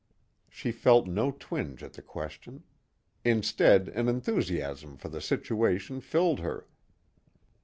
She felt no twinge at the question. Instead an enthusiasm for the situation filled her.